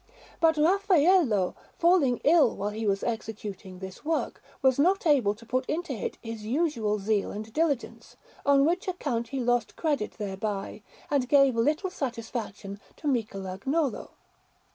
But Raffaello, falling ill while he was executing this work, was not able to put into it his usual zeal and diligence, on which account he lost credit thereby, and gave little satisfaction to Michelagnolo.